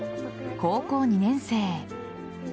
高校２年生。